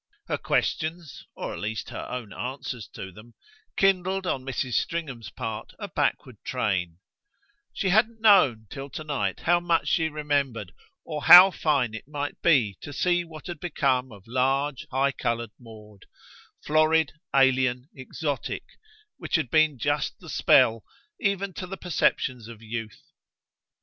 Her questions or at least her own answers to them kindled on Mrs. Stringham's part a backward train: she hadn't known till to night how much she remembered, or how fine it might be to see what had become of large high coloured Maud, florid, alien, exotic which had been just the spell even to the perceptions of youth.